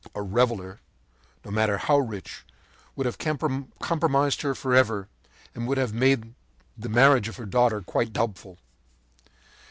A reveller, no matter how rich, would have compromised her forever, and would have made the marriage of her daughter quite doubtful.